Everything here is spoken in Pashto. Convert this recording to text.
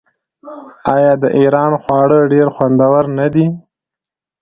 آیا د ایران خواړه ډیر خوندور نه دي؟